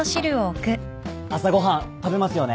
朝ご飯食べますよね？